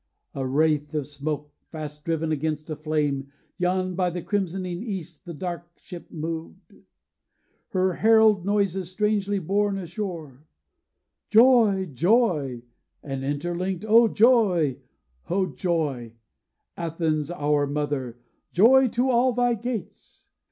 A wraith of smoke, fast driven against a flame, Yon by the crimsoning east the dark ship moved, Her herald noises strangely borne ashore: 'Joy, joy!' and interlinked: 'O joy, O joy, Athens our mother! joy to all thy gates!